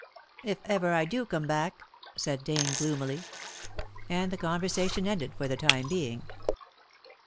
"If ever I do come back," said Dane gloomily. And the conversation ended for the time being.